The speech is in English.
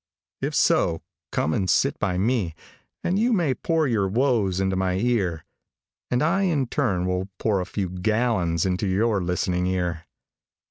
If so, come and sit by me, and you may pour your woes into my ear, and I in turn will pour a few gallons into your listening ear.